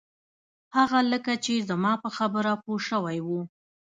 هغه لکه چې زما په خبره پوی شوی و.